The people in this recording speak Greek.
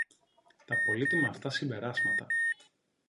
Τα πολύτιμα αυτά συμπεράσματα